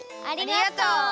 ありがとう！